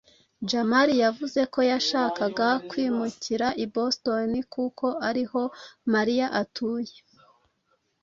jamali yavuze ko yashakaga kwimukira i boston kuko ariho mariya atuye